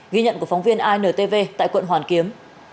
ghi nhận của phóng viên intv tại quận hoàn kiếm